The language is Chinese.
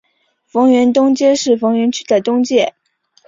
逢源东街是逢源区的东界。